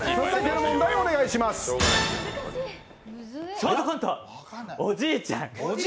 ショートコント、おじいちゃん。